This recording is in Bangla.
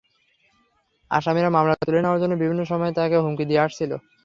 আসামিরা মামলা তুলে নেওয়ার জন্য বিভিন্ন সময় তাঁকে হুমকি দিয়ে আসছিল।